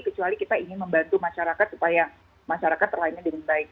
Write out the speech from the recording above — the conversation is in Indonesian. kecuali kita ingin membantu masyarakat supaya masyarakat terlayani dengan baik